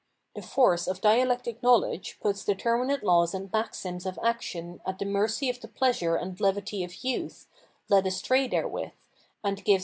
The force of dialectic knowledge! puts determinate laws and maxi m s of action at the mercy of the pleasure and levity of youth, led astray therewith, and gives weapons * cp.